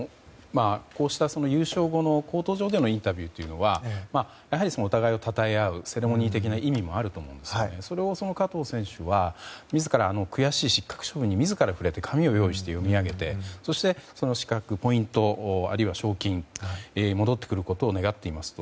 こうした優勝後のコート上のインタビューというのはやはりお互いをたたえ合うセレモニー的な意味もあると思いますがそれを加藤選手は自ら悔しい失格処分に自ら触れて紙を用意して読み上げてそして、失格によるポイント、あるいは賞金が戻ってくることを願っていますと。